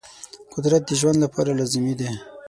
قدرت د ژوند لپاره لازمي دی.